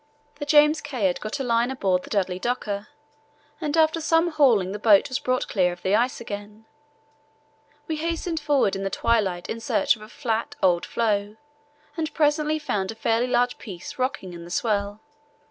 The James Caird got a line aboard the Dudley Docker, and after some hauling the boat was brought clear of the ice again. We hastened forward in the twilight in search of a flat, old floe, and presently found a fairly large piece rocking in the swell.